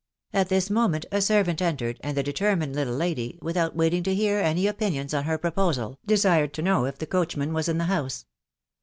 At this moment a servant entered and the determined little lady, without waiting to hear any opinions on her proposal, desired to know if the coachman was in the house.